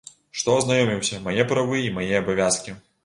Што азнаёміўся, мае правы і мае абавязкі.